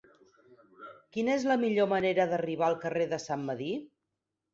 Quina és la millor manera d'arribar al carrer de Sant Medir?